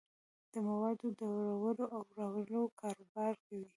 د موادو دوړلو او راوړلو کاروبار کوي.